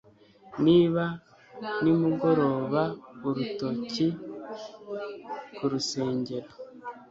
niba nimugoroba, urutoki ku rusengero